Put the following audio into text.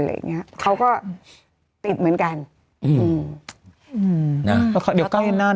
อะไรอย่างเงี้ยเขาก็ติดเหมือนกันอืมอืมนะเดี๋ยวใกล้กันนั่น